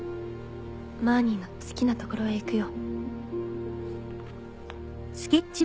マーニーの好きなところへ行くよ。